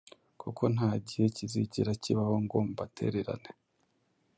kuko nta gihe kizigera kibaho ngo mbatererane.